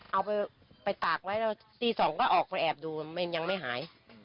เอาไปตากไว้แล้วตี๒ก็ออกไปแอบดูยังไม่หาย